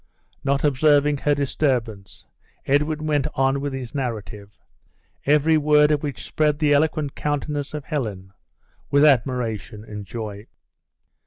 Not observing her disturbance, Edwin went on with his narrative; every word of which spread the eloquent countenance of Helen with admiration and joy.